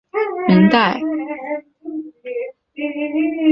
平凉隍庙的历史年代为明代。